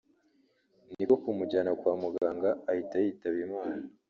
niko kumujyana kwa muganga ahita yitaba Imana”